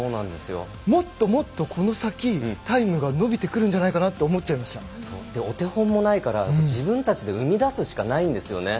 もっともっと、この先タイムが伸びてくるんじゃないかなとお手本もないから自分たちで生み出すしかないんですよね。